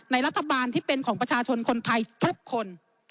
รัฐบาลที่เป็นของประชาชนคนไทยทุกคน